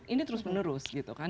ini terus menerus gitu kan